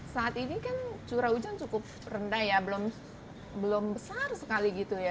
saat ini kan curah hujan cukup rendah ya belum besar sekali gitu ya